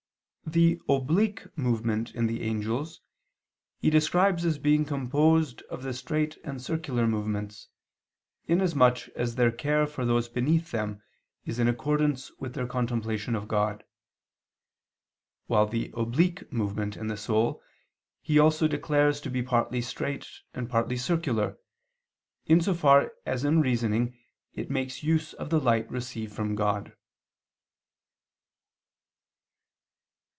The "oblique" movement in the angels he describes as being composed of the straight and circular movements, inasmuch as their care for those beneath them is in accordance with their contemplation of God: while the "oblique" movement in the soul he also declares to be partly straight and partly circular, in so far as in reasoning it makes use of the light received from God.